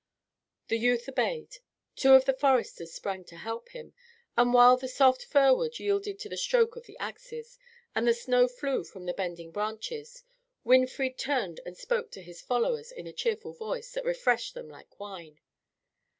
The youth obeyed; two of the foresters sprang to help him; and while the soft fir wood yielded to the stroke of the axes, and the snow flew from the bending branches, Winfried turned and spoke to his followers in a cheerful voice, that refreshed them like wine.